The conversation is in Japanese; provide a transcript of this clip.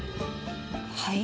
はい？